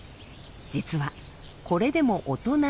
実はこれでも大人のオス。